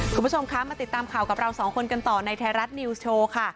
คุณผู้ชมคะมาติดตามข่าวกับเราสองคนกันต่อในไทยรัฐนิวส์โชว์ค่ะ